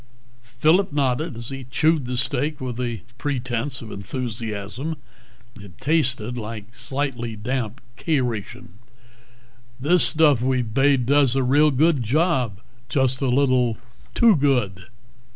Phillip nodded as he chewed the steak with a pretence of enthusiasm. It tasted like slightly damp K ration. "This stuff we've bade does a real good job. Just a little too good."